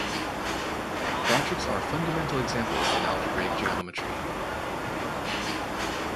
Quadrics are fundamental examples in algebraic geometry.